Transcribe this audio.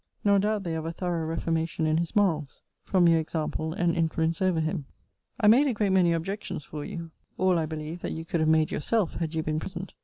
Nor doubt they of a thorough reformation in his morals, from your example and influence over him. I made a great many objections for you all, I believe, that you could have made yourself, had you been present.